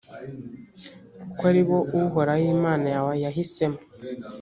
kuko ari bo uhoraho imana yawe yahisemo